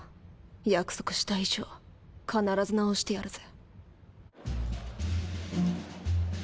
約束した以上必ず治してやるぜ